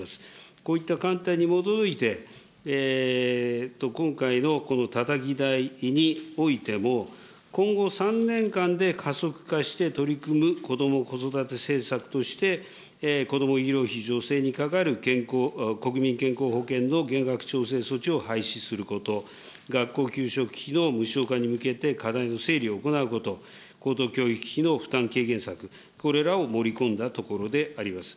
こういった観点に基づいて、今回のたたき台においても、今後３年間で加速化して取り組む子ども・子育て政策として、子ども医療費助成にかかる国民健康保険の減額調整措置を廃止すること、学校給食費の無償化に向けて課題の整理を行うこと、高等教育費の負担軽減策、これらを盛り込んだところであります。